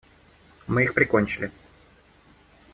Мы их прикончили.